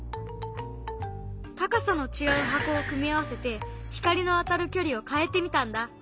高さの違う箱を組み合わせて光の当たる距離を変えてみたんだ。